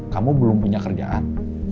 kamu belum punya kerjaan